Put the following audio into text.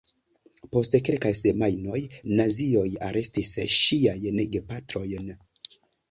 Post kelkaj semajnoj nazioj arestis ŝiajn gepatrojn.